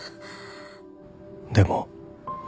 でも